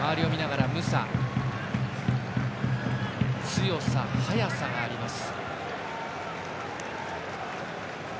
強さ、速さがあります。